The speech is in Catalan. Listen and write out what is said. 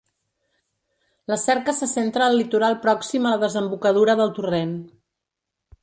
La cerca se centra al litoral pròxim a la desembocadura del torrent.